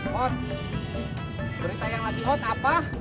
hot berita yang lagi hot apa